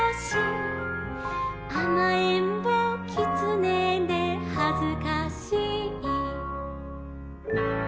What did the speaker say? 「あまえんぼキツネではずかしい」